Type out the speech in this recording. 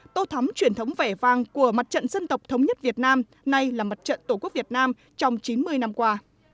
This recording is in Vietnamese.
tô thắm truyền thống vẻ vàng của mặt trận dân tộc thống nhất việt nam nay là mặt trận tổ quốc việt nam trong chín mươi năm qua